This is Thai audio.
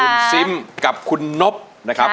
คุณซิมกับคุณนบนะครับ